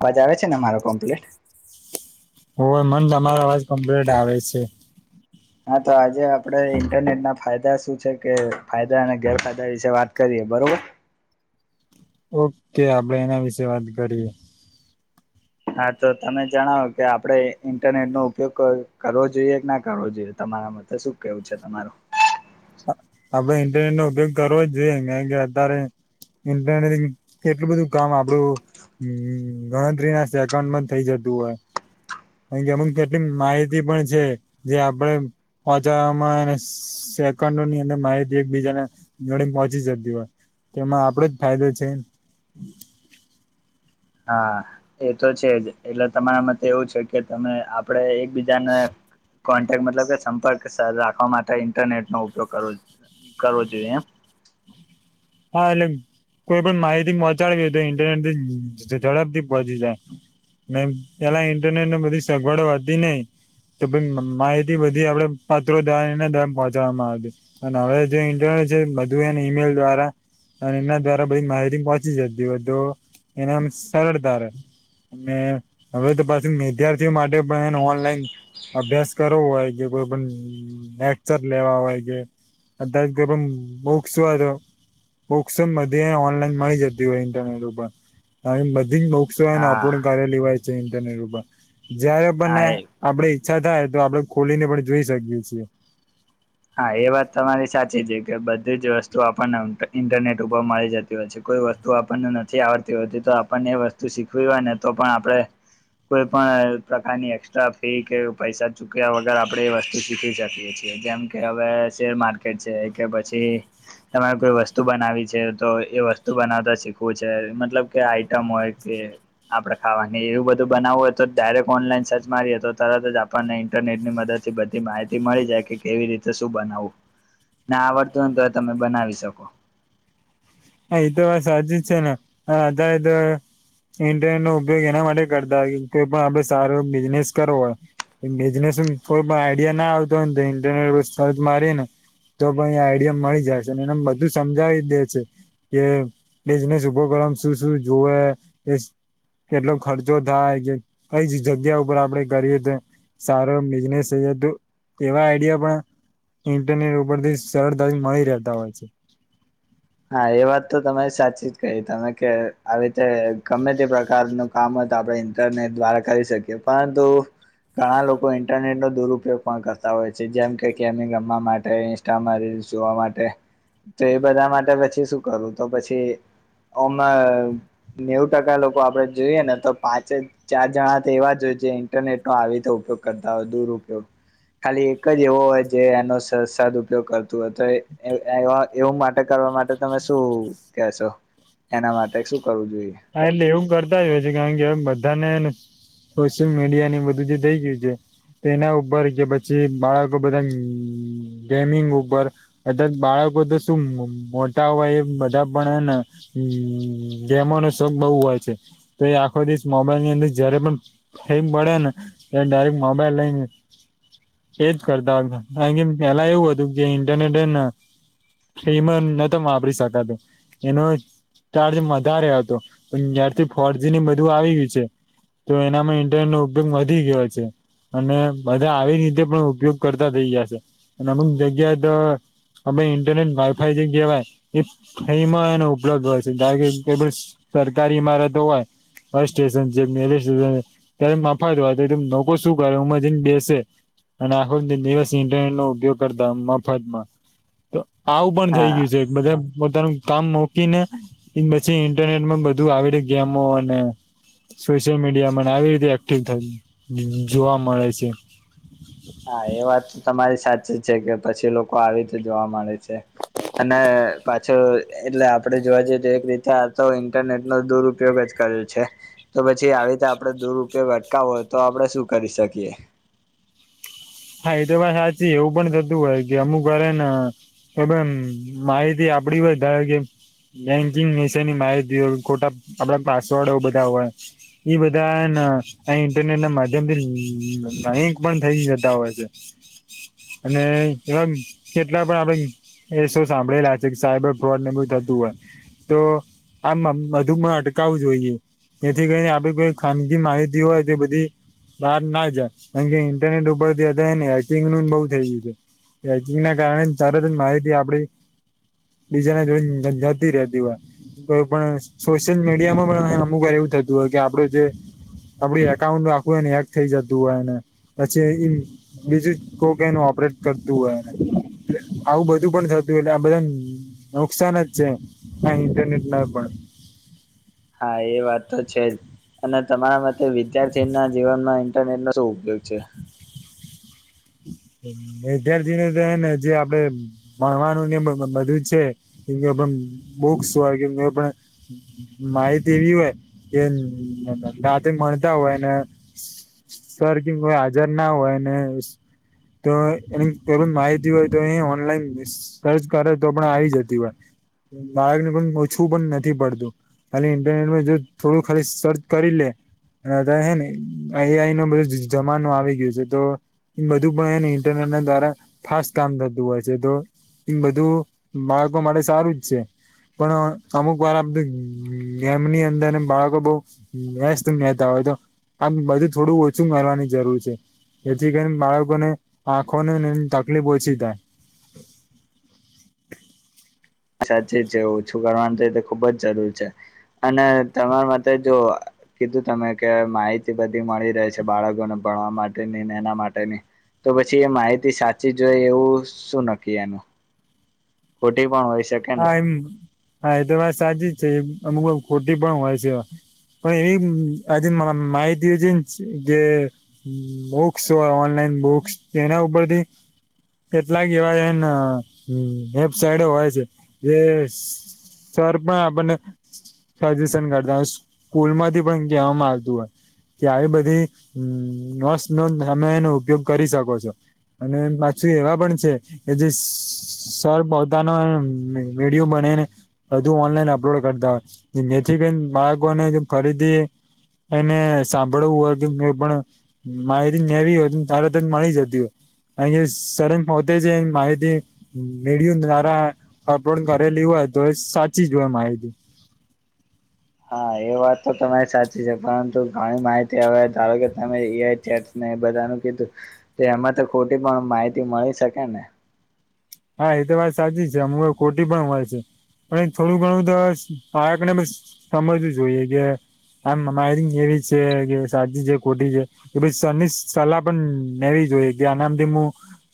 અવાજ આવે છે ને મારો કોમ્પ્ટ હો મન તમારો અવાજ કમ્પ્લીટ આવે છે [inaudible] હા તો આજે આપડે ઇન્ટરનેટ ના ફાયદા શું છે કે ફાયદા અને ગેરફાયદા વિશે વાત કરીએ બરોબર ઓકે આપડે એના વિશેે વાત કરીએ હા તો તમે જણાવો કે આપણે ઇન્ટરનેટ નો ઉપયોગ કરવો જોઈએ કે ના કરવો જોઈએ તમારા માટે શું કેવું છે તમારું આપણે ઇન્ટરનેટ નો ઉપયોગ કરવો જ જોઈએ ક કે અત્યારે [unintelligible] ઇન્ટરનેટંગ એટલું બધું કામ આપડું [unintelligible] હમ ગણતરી ના સેકડ મ થઇ જતું હોય [unintelligible] અ અમુક કેટલી માહિતી પણ છે જે આપડે [unintelligible] ઓજામાં શ [unintelligible] દકાંો નીંદ માહિતી એકબીજાને જોડી પહોચી જતી હોય [unintelligible] તેમાં આપડો જ ફાયદો છે હા એ તો છે જ એટલે તમારા મતે એવું છે કે તમે આપડ એક બીજાને કોન્ટેક્ટ મતલબ કે સંપર્ક રાખવા માટે ઇન્ટરનેટનો ઉપયોગ કરવો કરવો જોઈએ એમ હા એટલે કોઈ પણ માહિતી પહોંચાડવી તો ઇન્ટરનેટ થી ઝડપથી પહોંચી જાય પેલા ઇન્ટરનેટ ને બધી સગવડો હતી નહીં તો માહિતી બધી આપડે પાત્રો દને દમ પહોંચાડવામાં આવ્યું [unintelligible] અને હવે જે ઇન્ટરનેટ છે બધું એને ઈમેલ દ્વારા અને એના દ્વારા બધી માહિતી પહોંચી જતી હોય તો એનેમ સરળતા રહેે અને હવે તો પાછી વિદ્યાર્થીઓ માટે પણ એ ઓનલાઈન અભ્યાસ કરવો હોય કે કોઈ પણ લેચર લેવા હોય જે અધા તે પણ બુક્સ હો જો બુક્સ એ બધે ઓનલાઈન મળી જતી હોય ઇન્ટરનેટ ઉપર બધી જ સોના ને હા ઉપલોડ કરેલી હોય છે ઇન્ટરનેટ ઉપર જયારે આપણને હા એ આપડે ઈચ્છા થાય તો આપડે ખોલી ને પણ જોઈ શકીએ છીએ. હા, એ વાત તમારી સાચી છે કે બધી જ વસ્તુ આપણને ઇ-ઇન્ટરનેટ ઉપર મળી જતી હોય છે કોઈ વસ તું આપણને નથી આવડતી હોતી તો આપણને એ વસ્તુ શીખવી હોય ને તો પણ આપડે કોઈ પણ અહ પ્રકારની એસ્ટ્રા ફી કે પૈસા ચુક્યા વગર આપણેે એ વસ્તુ શીખી શકીએ છીએ. જેમ કે હવે શેર માર્કેટ છે કે પછી તમારે કોઈ વસ્તુ બનાવી છે તો એ વસ્તુ બનાવતા શીખવું છે મતલબ કે આઈટમ હોય કે આપડે ખાવાની એવું બધું બનાવું હોય તો ડાયરેક્ટ ઓનલાઈન સર્ચ મારીએ તો તરત જ આપણને ઇન્ટરનેટની મદ થી બધી માહિતી મળી જાએ કે કેવી રીત ટેબશું બનાવવું ને આવડતું હોય ને તો તમે બનાવી શકો. અને એ તો વાત સાચી છે ને હા દય દે ઇન્ટરનેટ નો ઉપયોગ એના માટે કરતા હો કોઈ પણ આપડે સારો બિઝનેસ કરવો હોય બિઝનેસ કોઈ આઈડિયા ના આવતો હોયને તો ઇન્ટરનેટ પર સર્ચ મારી ને તો પણ એ આઈડિયા મળી જાય છે અને બધું સમજાવી દે છે કે બિઝનેસ પ્રોગ્રામ શું શું જોવે ઈશ કેટલો ખર્ચો થાય કે કઈ જ જગ્યા ઉપર આપડે કરીએ તે સારો બિઝનેસ છે તો તેવા આઈડિયા પણ ઇન્ટરનેટ ઉપર થી સરળતા મળી રહેતા હોય છે. હા, એ વાત તો ત સાચી જ કહી તમે કે આવી રીતે ગમે તે પ્રકારનું કામ હોય તો આપડે ઇન્ટરનેટ દ્વારા કરી શકીએ પરંતુ ઘણા લોકો ઇન્ટરનેટ નો દુરુપયોગ પણ કરતા હોય છે જેમ કે ગેમિંગ રમવા માટે કા એમાં રીલ્સ જોવા માટે તો એ બધા માટે પછી શું કરું તો પછી આમાં અહ નેવ ટકા લોકો આપડે જોઈએ ને તો પાંચે ચાર જણા તો એવા જ હોય જે ઇન્ટરનેટ નો આવી ઉપયોગ કરતા હોય દુરપયોગ ખાલી એક જ એવો હોય જે એનો સ-સદ ઉપયોગ કરતું હોય તો તો એવું માટે કરવા માટે તમે શું કેશો એના માટે શું કરવું જોઈએ? હા, એટલે એવું કરતા જ હોય છે કારણ કેમ બધાને સોશિયલ મીડિયા ને બધું જે થઈ ગયું છે તેના ઉપર કે પછી બાળકો બધા ગેમિંગ ઉપર અથા બાળકો તો શું મોટા હોય એ બધા પણને હમ્મ ગેમોનો શોખ બઉુ હોય છે તો એ આખો દિવસ મોબાઈલ ની અંદર જયારે પણ ટાઈમ મળે ને એ ડાયરેક્ટ મોબાઈલ લઈને એજ કરતા હતા કાર કે પેલા એવું હતું કે ઇન્ટરનેટ એને એમ નતો વાપરી શકાતો એનો ચાર્જ વધારે હતો. પણ જયારથી ફોર જી ની બધું આવી ગયું છે તો એનામાં ઇન્ટરનેટ નો ઉપયોગ વધી ગયો છે. અને બધા આવી રીતે પણ ઉપયોગ કરતા થઇ જશે અને અમુક જગ્યાએ તો અમે ઇન્ટરનેટ વાઈ ફાઈ જે કહેવાય એ એમાં એનો ઉપલબ્ધ હોય છે કારણ કેપેલો સરકારી માં રહેતા હોય. ફાયર સ્ટેશન છે જે મેલે સેવે ને ત્યારે મફાદ વા તો લોકો શું કરે ઉમાં જઈને બેસે. અને આખો દિવસ ઇન્ટરનેટ નો ઉપયોગ કરતા મફત માં. તો આવું પણ થઈ હા ગયું છે બધા પોતાનું કામ મોકી ને એ પછી ઇન્ટરનેટ માં બધું આવેડે ગેમો અને સોશિયલ મીડિયામાંને આવી રીતે એક્ટિવ થઈ જોવા મળે છે. હા, એ વાત તો તમારી સાચી જ છે કે પછી લોકો આવી રીતે જોવા મળે છે. અને પાછો એટલે આપડે જોવા જઈએ તો એક રીતે આ તો ઇન્ટરનેટ નો દૂર ઉપયોગ જ કર્યો છે તો પછી આવી રીતે આપડે દુરપયોગ અટકાવય તો આપણે શું કરી શકીએ. હા એ તો વાત સાચી એવું પણ થતું હોય કે અમુક વાર હે ને થોડું એમ માહિતી આપડી હોય ધારો કે બેંકિંગ વિશે ની માહિતી હોય, ખોટા આપડા પાસવર્ડ બધા હોય. ઈ બધા ના ઇન્ટરનેટ ના માધ્યમ થી [unintelligible] પણ થઇ જતા હોય. અને એમ કેટલા પણ આપડી કેસો સાંભળેલા છે કે સાયબર ફ્રોડ ને બધૂ થતું હોય. તો આમ બધુ માં અટકાવું જોઈએ. જેથી કરી ને આપડી પાસે ખાનગી માહિતી હોય તે બધી બહાર ના જાય કારણ કે ઇન્ટરનેટ ઉપર થી હેકીગ નું બઉ થઈ ગયું છે હેકિંગ ના કારણે તરત જ માહિતી આપડી બીજા ને જોડે જતી રેતી હોય. કોય પણ સોશિયલ મીડિયા માં પણ અમુક વાર એવું થતું હોય કે આપડે જે આપડી એકાઉન્ટ આખુંને હેક થઈ જતું હોય ને પછી બીજું જ કોક એને ઓપરેટ કરતું હોય. આવું બધું પણ થતું એટલે આ બધા નુકસાન જ છે આ ઇન્ટરનેટ ના પણ હા એ વાત તો છે જ અને તમારા માટે વિદ્યાર્થી ના જીવનમાં ઇન્ટરનેટ નો શું ઉપયોગ છે? વિદ્યાર્થીને તો ને જે આપણે ભણવાનું ને બધું છે કે પણ બુક્સ હોય કેમ કે આપડે માહિતી એવી હોય કે રાતે ભણતા હોય ને સર કે કોઈ હાજર ના હોય ને તો એની માહિતી હોય તો એ ઓનલાઈન સર્ચ કરે તો પણ આવી જતી હોય. બાળક ને પણ પુછવુ પણ નથી પડતું. અને ઇન્ટરનેટમાં જો થોડું ખાલી સર્ચ કરી લે. અવે હે ને એ આઈ નો બધે જમાનો આવી ગયો છે તો એ બધું પણ એને ઇન્ટરનેટ ના દ્વારા ફાસ્ટ કામ થતું હોય છે તો એમ બધું બાળકો માટે સારું જ છે. પણ અમુક વાર આપણે ગેમની અંદર બાળકો બઉ વ્યસ્ત મેં તા હોય તો આમ બધું થોડું ઓછું કરવાની જરૂર છે એથી ગેમ બાળકોને આંખો ને તકલીફ ઓછી થાય. સાચે જ ઓછું કરવાનું છે તે ખુબ જ જરૂર છે અને તમારા માટે જો કીધું તમે કે માહિતી બધી મળી રહે છે બાળકોને ભણવા માટેની ને એના માટેની તો પછી એ માહિતી સાચી જ હોઈ એવું શું નક્કી એનું ખોટી પણ હોય શકે. ને હા એમ હા એ તો વાત સાચી જ છે અમુક વાર ખોટી પણ હોય છે. પણ એ આજે માહિતી છે જે બુક્સ હોય ઓનલાઈન બુક્સ એના ઉપરથી કેટલાક એવા એને વેબસાઇડો હોય છે જે સર પણ આપણ ને સજેશન કરતા હોય, સ્કૂલ માંથી પણ કહેવામાં આવતું હોય. કે આવી બધી નસ્ નો તમે એનો ઉપયોગ કરી શકો છો. અને પાછું એવા પણ છે કે જે સર પોતાનો વિડિયો બનાઈ ને બધું ઓનલાઈન અપલોડ કરતા હોય જેથી કરીને બાળકોને ફરીથી એને સાંભળવું હોય મે પણ માહિતી લેવી હોય તરત જ મળી જતી હોય. કારણ કે સર પોતે જે માહિતી વિડિઓ દ્રારા અપલોડ કરેલી હોય તો એ સાચી જ હોય માહિતી. હા એ વાત તો તમારી સાચી છે પરંતુ ઘણી માહિતી હવે ધારો કે તમે એ આઈ ચેટ ને એ બધા ને કીધું તો એમાં તો ખોટી પણ માહિતી મળી શકે ને હા એ તો વાત સાચી છે અમુક વાર ખોટી પણ હોય છે પણ થોડું ઘણું તો બાળકને સમજવું જોઈએ કે એમ માહિતી કેવી છે કે સાચી છે ખોટી છે કે પછી કોઇ સરની સલાહ પણ લેવી જોઈએ કે આ નામથી હું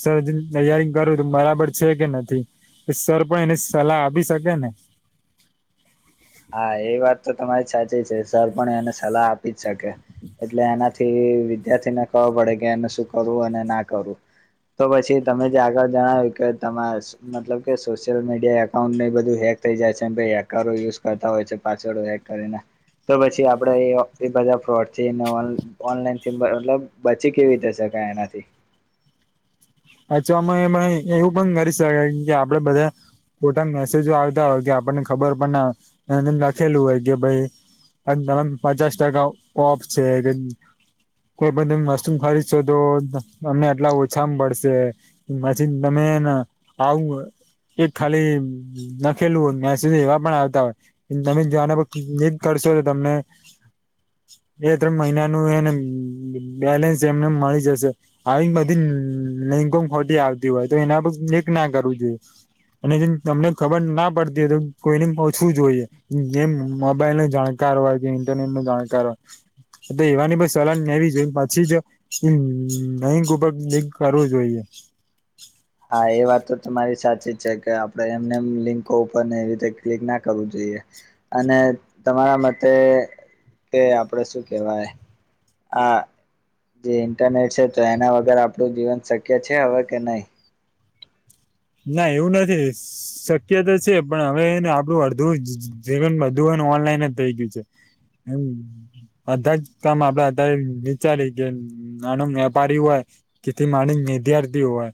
સર તૈયારી કરો તો બરાબર છે કે નથી સર પણ એને સલાહ આપી શકે ને હા એ વાત તો તમારી સાચી છે સર પણ એને સલાહ આપી જ શકે એટલે એનાથી વિદ્યાર્થીને ખબર પડે કે એને શું કરવું અને ના કરવું તો પછી તમે જે આગળ જણાવ્યું કે તમારે સ મતલબ કે સોશિયલ મીડિયા એકાઉન્ટ બધું હેક થઈ જાય છે હેકરો યુજ કરતા હોય છે પાછ કરીને તો પછી આપણેે બધા ફ્રોડ થી ઓનલાઈન થી મતલબ બચી કેવી રીતે શકાય એનાથી અથવામાં એ એવું પણ કરી શકાય કે આપણે બધા ખોટા મેસેજો આવતા હોય કે આપણને ખબર પણ ના લખેલું હોય કે ભાઈ અને પચાસ ટકા ઓફ છે કે કોઈ પણ તમે વસ્તુ ખરીદશો તો અમને આટલા ઓછા મા પડશે મશીન તમે [unintelligible] એક ખાલી નાખેલવું હોય સુધી એવા પણ આવતા હોય તમે જો આના પર [unintelligible] કરશો તો તમને બે ત્રણ મહિનાનું એને બેલેન્સ એમને એમ મળી જશે આવી બધી લિકોં ખોટી આવતી હોય તો એના ઉપર ક્લિક ના કરવું જોઈ અને જે તમને ખબર ના પડતી હો તો કોઈને પૂછવું જોઈએ જે મોબાઈલ ન જાણ [unintelligible] હોય કે ઇન્ટરનેટ નું જાણકાર હોય તો એવાની બ સલાહ લેવી જોઈ એ પછી જ લિંક ઉપર ક્લિક કરવું જોઈએ હા એ વાત તો તમારી સાચી જ છે કે આપણેે એમને એમ લિંકો ઉપર ને એવી રીતે ક્લિક ના કરવું જોઈએ અને તમારા મતે કે આપડે શું કેવાય આ જે ઇન્ટરનેટ છે તો એના વગર આપણું જીવન શક્ય છે હવે કે નહી ના એવું નથી શક્ય તો છે પણ હવે ને આપણું અડધું જીવન બધું હે ને ઓનલાઈન જ થઇ ગયું છે હમ્મ બધા જ કામ આપડે અતારે વિચારી કે નાનું વેપારી હોય જે થી માંડી વિધ્યાર્થી હોય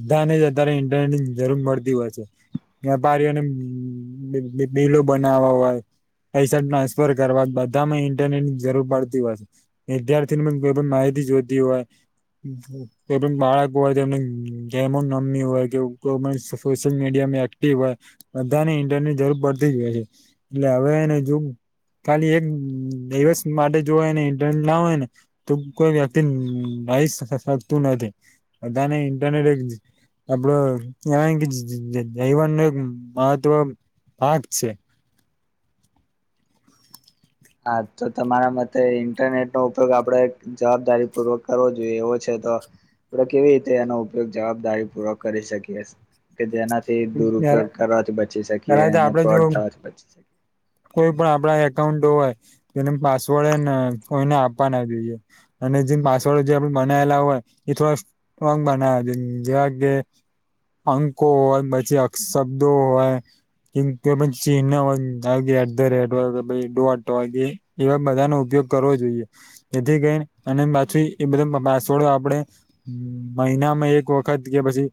બધાને જ અતારે ઇન્ટરનેટની જરૂર પડતી હોય છે વેપારીઓને બી બીલો બનાવવા હોય પૈસા ટ્રાન્સફર કરવા બધામાં ઇન્ટરનેટ ની જરૂર પડતી હોય વિદ્યાર્થી ને પણ કોઈ પણ માહિતી જોતી હોય કોઈ પણ બાળક હોય એમને ગેમો ન રમ [unintelligible] કો પણ સોશલ મીડિયામાં એક્ટિવ હોય બધાને ઇન્ટરનેટ જરૂર પડતી જ હોય છે એટલે હવે એ જો ખાલી એક દિવસ માટે જો હે ને ઈન્ટરનેટ ના હોય ને તો કોઈ વ્યક્તિ ન [unintelligible] નથી બધાને ઇન્ટરનેટ એક આપડો [unintelligible] કે જીવન ન મહત્વ ભાગ છે. હા તો તમારા માટે ઇન્ટરનેટ નો ઉપયોગ આપડે જવાબદારી પૂર્વક કરવો જોઈએ એવો છે તો આપડે કેવી રીતે એનો ઉપયોગ જવાબદારી પૂર્વક કરી શકીએ કે જેના થી ત્યારે દુરુપયોગ કરવાથી બચી શકીએ ત્યારે તો અને આપડે જો ફ્રોડ થવાથી બચી શક કોઈ પણ આપડા એકાઉન્ટ હોય તેનું પાસવર્ડ હે ને કોઈને આપવા ના જોઈએ અને જે પાસવડો જે આપે બનાયેલા હોય એ થોડા સ્ટ્રોંગ બનાવા જોઈ જેવા કે અંકો હોય પછી [unintelligible] શબ્દો હોય કિમ ચીનહ હોય ધારોકે એટધ રેટ હોય કે પહી ડોટ હોય કે એવા બધાનો ઉપયોગ કરવો જોઈએ. જેથી કરી અને પાછી એમનેમ પાસવડ આપણે મહિનામાં એક વખત કે પછી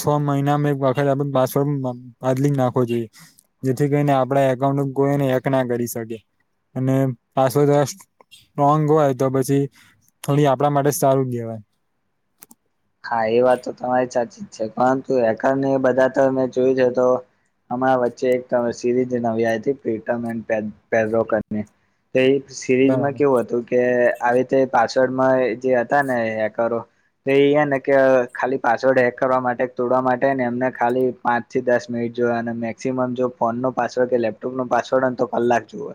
છ મહિનામાં એક વાર કે આપડે પાસવર્ડ બદલીં નાખવો જોઈએ. જેથી કરીને આપડા એકાઉન્ટ કોઈને હે ક ના કરી શકે અને પાસવર્ડ દ્વારા સ્ટ્રોંગ હોય તો પછી થોડી આપણા માટે સારું કહેવાય હા એ વાત તો તમારી સાચી જ છે પરંતુ હેકર ને બધા તો મેં જોયું છે તો હમણાં વચ્ચે એક અ સીરીઝ નવી આયીતી પ્રીતમ એન્ડ પેડ્રો કરીને તે ઈ સિરીઝમાં બરાબર કેવું હતું કે આવી રીતે પાસવર્ડમાં જે હતા ને હેકરો તે ઈ હે ને કે અ ખાલી પાસવર્ડ હેક કરવા માટે તોડવા માટે એમને ખાલી પાંચ થી દસ મિનિટ જોવે અને મે મેક્સિમમ જો ફોનનો પાસવર્ડ કે લેપટોપનો પાસવર્ડને હોય ન તો કલાક જુએ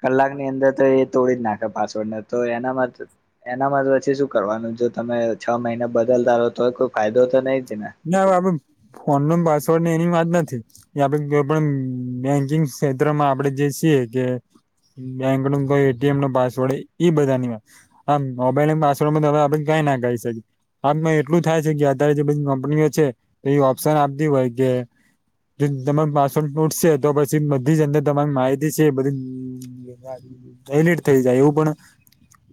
કલાક ની અંદર તો એ તોડી જ નાખે પાસવર્ડને તો એનામાં એનામાં તો પછી શું કરવાનું જો તમે છ મહિના બદલતા રહો તો કોઈ ફાયદો તો નહીં જ ને ના આપડે ફોન નો પાસવર્ડ ને એની વાત નથી આપડે કોઈ પણ બેંકિંગ ક્ષેત્રમાં આપડે જે છીએ કે બેંક નું એટીએમ નો પાસવર્ડ ઈ બધા ની વાત આમ મોબાઈલના પાસવર્ડ માં આપડે કઈ ના કાઈ શકીએ આમ એટલું થાય છે કે અત્યારે જે બધી કંપનીઓ છે એ ઓપ્શન આપતી હોય કે જો તમાર પાસવોર્ડ તૂટ શે તો પછી બધી જ અંદર તમારી માહિતી છે એ બધી ડિલીટ થઈ જાય એવું પણ